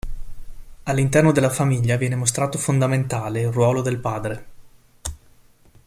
All'interno della famiglia viene mostrato fondamentale il ruolo del padre.